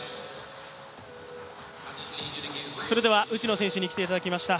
内野選手に来ていただきました。